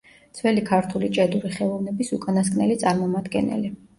ძველი ქართული ჭედური ხელოვნების უკანასკნელი წარმომადგენელი.